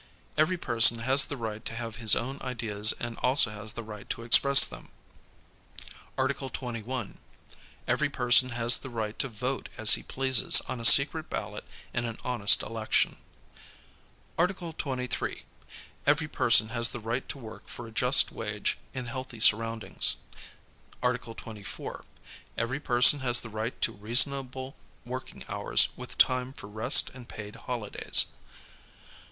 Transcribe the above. Every person has the right to ha\(' his own ideas and also has the right to express them. Article 21. Every person has tiie right to vote as he pleases on a secret ballot in an honest election. Article 23. Every person has the right to work for a just wage in healthy surroundings. Article 24. Every person has the right to reasonable working hours with time for rest and paid holidays.